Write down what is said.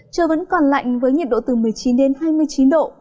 trời vẫn còn lạnh với nhiệt độ từ một mươi chín đến hai mươi chín độ